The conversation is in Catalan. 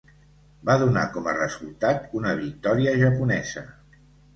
Va donar com a resultat una victòria japonesa.